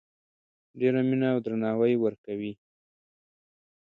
ډیره مینه او درناوی ورکوي